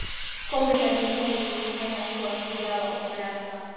Kombe la dunia lilimfanya kuwa shujaa wa Ufaransa